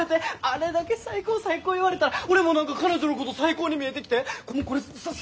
あれだけ最高最高言われたら俺も何か彼女のこと最高に見えてきてもうこれ最高同士？